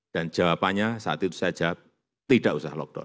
dan jawabannya saat itu saya jawab tidak usah lockdown